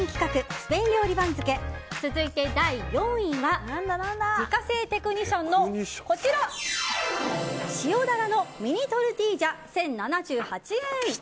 スペイン料理番付続いて第４位は自家製テクニシャンの塩鱈のミニ・トルティージャ１０７８円。